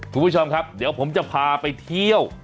คุณผู้ชมครับเดี๋ยวผมจะพาไปเที่ยว